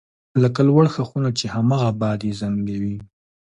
لکه لوړ ښاخونه چې هماغه باد یې زنګوي